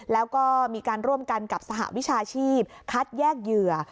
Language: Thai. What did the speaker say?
แล้วก็มีการร่วมกันกับสหวิชาชีพคัดแยกเหยื่อ